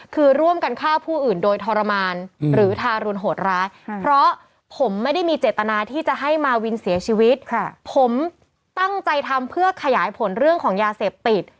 คือร่วมกันฆ่าผู้อื่นโดยทรมานหรือทารุณโหดร้ายเพราะผมไม่ได้มีเจตนาที่จะให้มาวินเสียชีวิตผมตั้งใจทำเพื่อขยายผลเรื่องของยาเสพติด